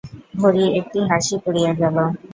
ভরি একটা হাসি পড়িয়া গেল।